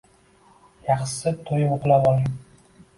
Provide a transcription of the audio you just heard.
Yaxshisi to‘yib uxlab oling.